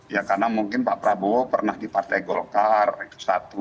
ya karena mungkin pak prabowo pernah di partai golkar itu satu